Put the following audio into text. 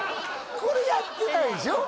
これやってないでしょ？